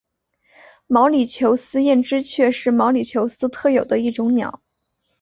毛里求斯艳织雀是毛里求斯特有的一种鸟。